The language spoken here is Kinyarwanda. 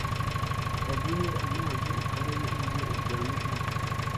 Baguhe amazi ukarabe uze uryame hano,